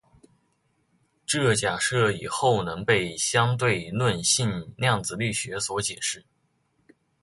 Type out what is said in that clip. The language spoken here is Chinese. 这假设以后能被相对论性量子力学所解释。